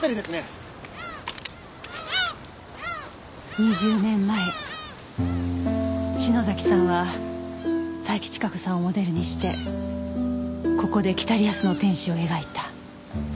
２０年前篠崎さんは佐伯千加子さんをモデルにしてここで『北リアスの天使』を描いた。